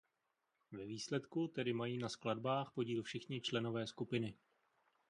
Ve výsledku tedy mají na skladbách podíl všichni členové skupiny.